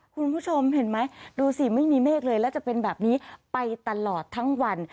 คุณผู้ชมเห็นไหมดูสิไม่มีเมฆเลยแล้วจะเป็นแบบนี้ไปตลอดทั้งวัน